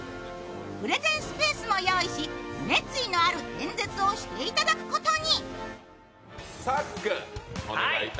プレゼンスペースも用意し熱意のある演説をしていただくことに。